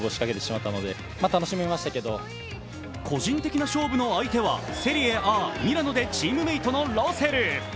個人的な勝負の相手はセリエＡミラノでチームメイトのロセル。